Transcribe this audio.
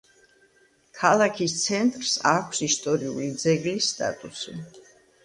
ქალაქის ცენტრს აქვს ისტორიული ძეგლის სტატუსი.